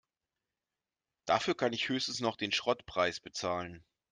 Dafür kann ich höchstens noch den Schrottpreis bezahlen.